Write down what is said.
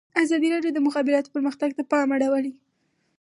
ازادي راډیو د د مخابراتو پرمختګ ته پام اړولی.